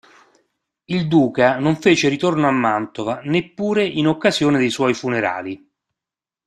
Il duca non fece ritorno a Mantova neppure in occasione dei suoi funerali.